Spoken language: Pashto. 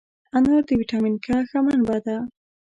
انار د ویټامین K ښه منبع ده.